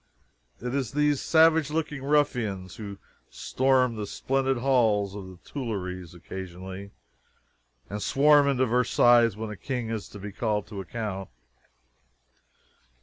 It is these savage looking ruffians who storm the splendid halls of the Tuileries occasionally, and swarm into Versailles when a king is to be called to account.